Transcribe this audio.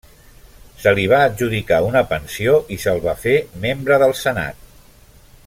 Se li va adjudicar una pensió i se'l va fer membre del Senat.